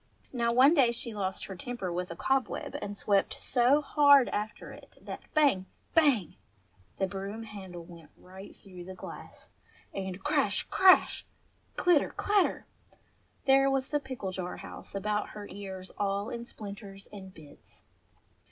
Now one day she lost her temper with a cobweb and swept so hard after it that bang ! bang ! the broom handle went right through the glass, and crash ! crash ! clitter ! clatter ! there was the pickle jar house about her ears all in splinters and bits.